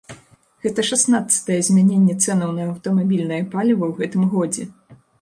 Гэта шаснаццатае змяненне цэнаў на аўтамабільнае паліва ў гэтым годзе.